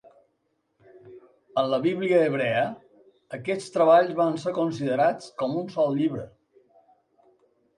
En la bíblia hebrea, aquests treballs van ser considerats com un sol llibre.